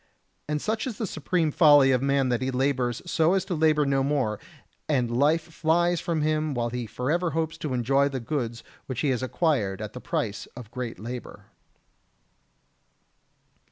And such is the supreme folly of man that he labours so as to labour no more, and life flies from him while he forever hopes to enjoy the goods which he has acquired at the price of great labour.